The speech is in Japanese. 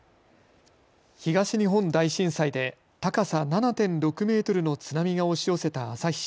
東日本大震災で高さ７．６メートルの津波が押し寄せた旭